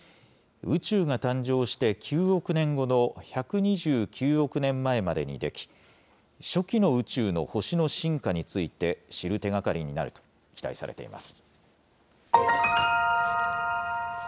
宇宙が誕生して９億年後の１２９億年前までに出来、初期の宇宙の星の進化について知る手がかりになると期待されています。